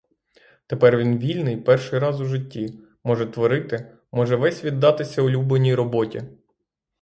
Тепер він вільний перший раз у житті, може творити, може весь віддатися улюбленій роботі.